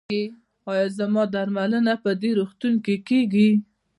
ایا زما درملنه په دې روغتون کې کیږي؟